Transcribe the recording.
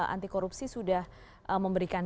anti korupsi sudah memberikan